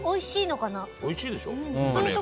おいしいでしょ。